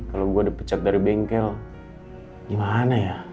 kalau gue dipecat dari bengkel gimana ya